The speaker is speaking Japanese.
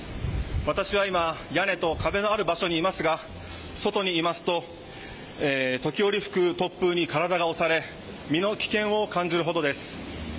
私は今、屋根と壁のある場所にいますが外にいますと、時折吹く突風に体が押され身の危険を感じるほどです。